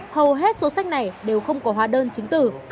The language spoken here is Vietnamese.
hầu hết số sách này đều không có hóa đơn chính từ